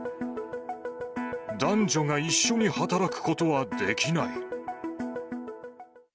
男女が一緒に働くことはできない。